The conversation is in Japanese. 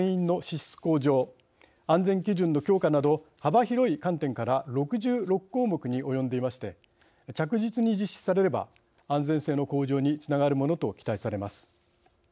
設備面安全の基準の効果など幅広い観点から６６項目に及んでいまして着実に実施されれば安全性の向上につながるものと期待されます。